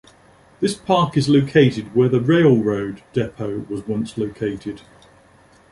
This park is located where the railroad depot was once located.